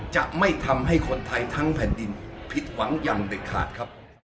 จะไม่ทำให้คนไทยทั้งแผ่นดินผิดหวังอย่างเด็ดขาดครับ